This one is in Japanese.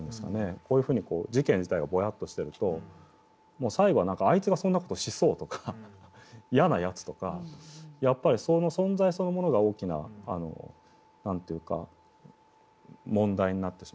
こういうふうに事件自体がぼやっとしてるともう最後は「あいつがそんな事しそう」とか「嫌なやつ」とかやっぱりその存在そのものが大きな何て言うか問題になってしまって。